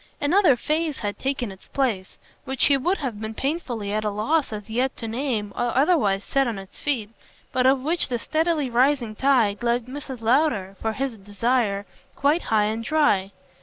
Another phase had taken its place, which he would have been painfully at a loss as yet to name or otherwise set on its feet, but of which the steadily rising tide left Mrs. Lowder, for his desire, quite high and dry.